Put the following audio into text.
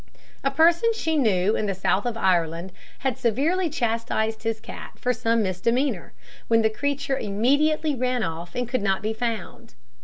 A person she knew in the south of Ireland had severely chastised his cat for some misdemeanour, when the creature immediately ran off and could not be found.